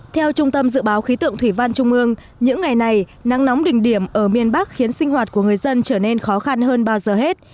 theo trung tâm dự báo khí tượng thủy văn trung ương những ngày này nắng nóng đỉnh điểm ở miền bắc khiến sinh hoạt của người dân trở nên khó khăn hơn bao giờ hết